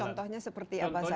contohnya seperti apa saja